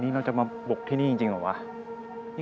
มาทำยังไง